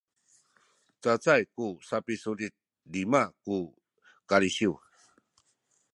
cacay ku sapisulit lima ku kalisiw